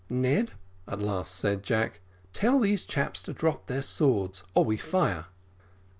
"Ned," at last said Jack, "tell these chaps to drop their swords, or we fire."